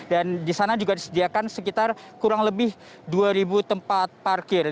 dan di sana juga disediakan sekitar kurang lebih dua ribu tempat parkir